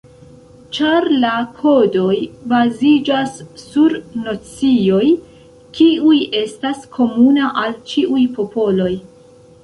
Ĉar la kodoj baziĝas sur nocioj, kiuj estas komuna al ĉiuj popoloj.